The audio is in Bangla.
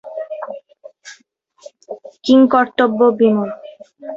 ঢাকায় ভালো কোন কাজ না পেয়ে বাড়ি চলে আসতে চায় কুদ্দুস।